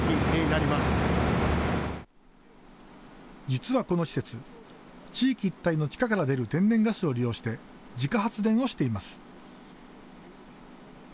実は、この施設、地域一帯の地下から出る天然ガスを利用して自家発電をしています。